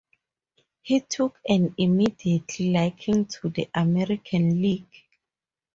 He took an immediate liking to the American League.